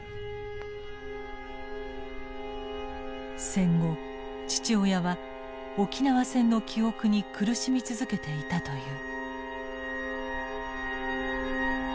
戦後父親は沖縄戦の記憶に苦しみ続けていたという。